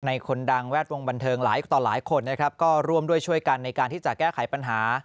คนดังแวดวงบันเทิงหลายต่อหลายคนนะครับก็ร่วมด้วยช่วยกันในการที่จะแก้ไขปัญหา